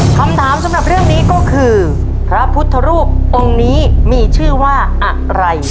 คำถามสำหรับเรื่องนี้ก็คือพระพุทธรูปองค์นี้มีชื่อว่าอะไร